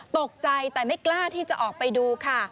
ตกใจแต่ไม่กล้าที่จะออกไปดูค่ะ